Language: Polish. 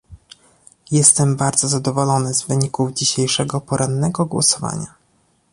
Jestem bardzo zadowolony z wyników dzisiejszego porannego głosowania